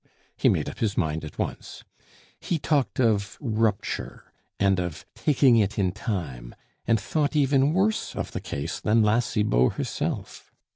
He made up his mind at once. He talked of rupture, and of taking it in time, and thought even worse of the case than La Cibot herself.